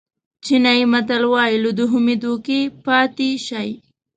چینایي متل وایي له دوهمې دوکې پاتې شئ.